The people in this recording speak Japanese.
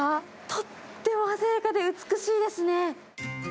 とっても鮮やかで美しいですね。